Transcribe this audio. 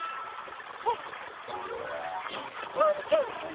あっしょくパンじゃない？